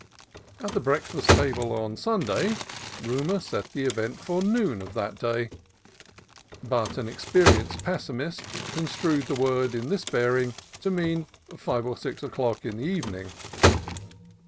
At the breakfast table on Sunday rumor set the event for noon of that day, but an experienced pessimist construed the word in this bearing to mean five or six o'clock in the even ing.